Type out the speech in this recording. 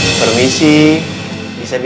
saya juga tidak bisa sama dia